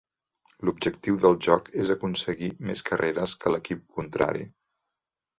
L'objectiu del joc és aconseguir més carreres que l'equip contrari.